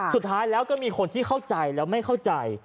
สุดท้ายแล้วก็มีคนที่เข้าใจแล้วไม่เข้าใจ